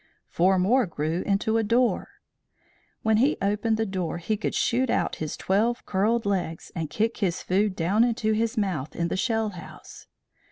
Four more grew into a door. When he opened the door he could shoot out his twelve curled legs and kick his food down into his mouth in the shell house.